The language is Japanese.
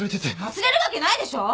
忘れるわけないでしょう！